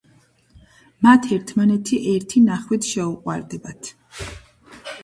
მათ ერთმანეთი ერთი ნახვით შეუყვარდებათ.